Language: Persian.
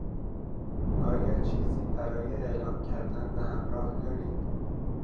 آیا چیزی برای اعلام کردن به همراه دارید؟